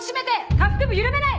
下腹部緩めない！